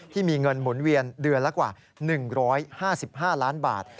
ที่มีเงินหมุนเวียนเดือนละกว่า๑๕๕ล้านบาท